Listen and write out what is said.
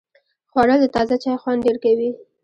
خوړل د تازه چای خوند ډېر کوي